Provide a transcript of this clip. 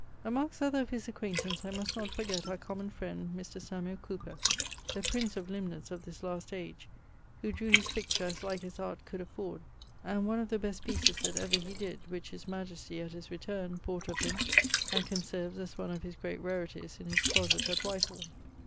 _> Amongst other of his acquaintance I must not forget our common friend, Mr. Samuel Cowper, the prince of limners of this last age, who drew his picture[CXII.] as like as art could afford, and one of the best pieces that ever he did: which his majesty, at his returne, bought of him, and conserves as one of his great rarities in his closet at Whitehall.